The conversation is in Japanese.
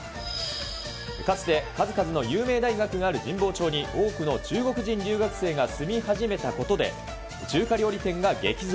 かつて数々の有名大学がある神保町に、多くの中国人留学生が住み始めたことで、中華料理店が激増。